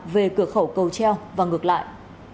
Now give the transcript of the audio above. về cửa khẩu cầu treo và ngược lại